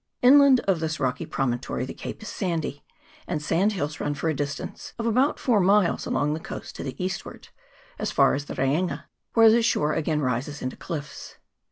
Inland of this rocky promontory the cape is sandy, and sand hills run for a distance of about four miles along the coast to the eastward, as far as the Reinga, where the shore again rises into cliffs.